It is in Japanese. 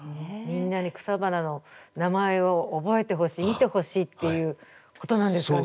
みんなに草花の名前を覚えてほしい見てほしいっていうことなんですかね。